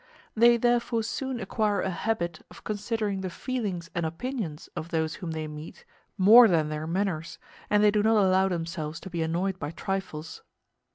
They therefore soon acquire a habit of considering the feelings and opinions of those whom they meet more than their manners, and they do not allow themselves to be annoyed by trifles.